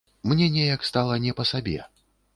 Мне неяк стала не па сабе.